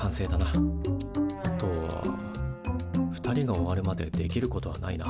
あとは２人が終わるまでできることはないな。